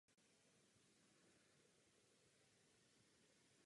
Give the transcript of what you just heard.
Pravděpodobně se živil hmyzem a drobnými obratlovci.